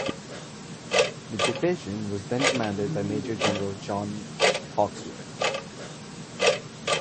The division was then commanded by Major General John Hawkesworth.